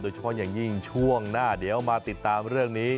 เฉพาะอย่างยิ่งช่วงหน้าเดี๋ยวมาติดตามเรื่องนี้